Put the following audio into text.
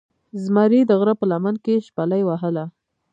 زمرې دغره په لمن کې شپیلۍ وهله